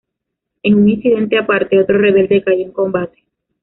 En un incidente aparte, otro rebelde cayó en combate.